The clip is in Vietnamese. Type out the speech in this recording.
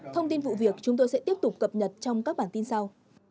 thông tin vụ việc chúng tôi sẽ tiếp tục cập nhật trong các bản tin sau